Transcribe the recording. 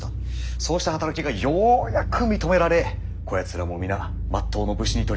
そうした働きがようやく認められこやつらも皆まっとうの武士に取り立てていただいた。